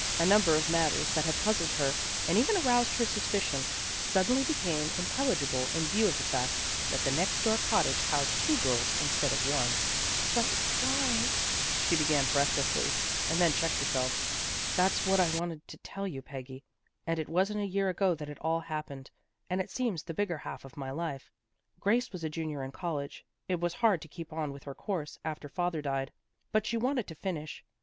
A number of matters that had puzzled her and even aroused her suspicion, suddenly became intelligible in view of the fact that the next door cottage housed two girls instead of one. " But why " she began breathlessly, and then checked herself. " That's what I wanted to tell you, Peggy. It wasn't a year ago that it all happened, and it seems the bigger half of my life. Grace was a Junior in college. It was hard to keep on with her course, after father died, but she wanted to finish.